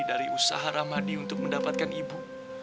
dari usaha ramadi untuk mendapatkan ibu